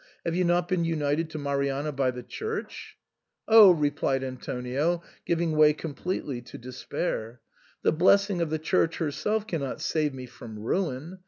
'' Have you not been united to Mari anna by the Church ?"" Oh !" replied Antonio, giving way completely to despair, ''the blessing of the Church herself cannot save me from ruin.